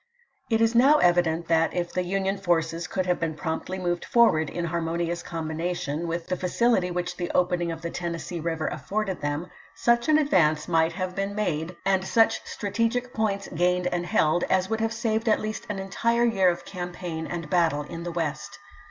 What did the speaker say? It is now evident that if the Union forces could have been promptly moved forward in harmonious combination, with the facility which the opening of the Tennessee River afforded them, such an advance might have been made, and such stra 303 304 ABRAHAM LINCOLN CH. xvm. tegic points gained and lield, as would have saved at least an entire year of campaign and battle in the West.